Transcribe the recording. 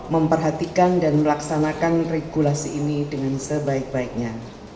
memperhatikan dan melaksanakan regulasi ini dengan sebaik baiknya